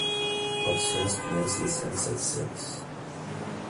Quatrocentos, quinhentos, seiscentos, setecentos